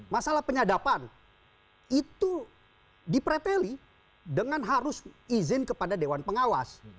masalah penyadapan itu dipreteli dengan harus izin kepada dewan pengawas